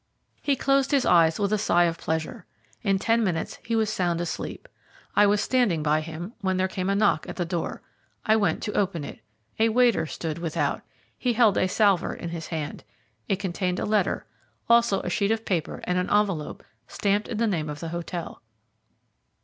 He closed his eyes with a sigh of pleasure. In ten minutes he was sound asleep. I was standing by him when there came a knock at the door. I went to open it. A waiter stood without. He held a salver in his hand. It contained a letter, also a sheet of paper and an envelope stamped with the name of the hotel.